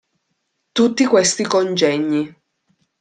Tutti questi congegni.